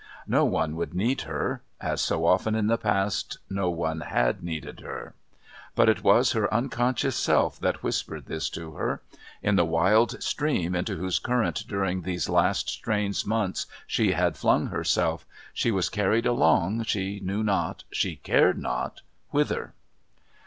No one would need her as so often in the past no one had needed her. But it was her unconscious self that whispered this to her; in the wild stream into whose current during these last strange months she had flung herself she was carried along she knew not, she cared not, whither.